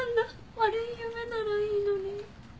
悪い夢ならいいのに。